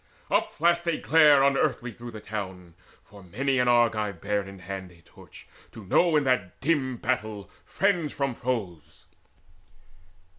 Upflashed a glare unearthly through the town, For many an Argive bare in hand a torch To know in that dim battle friends from foes.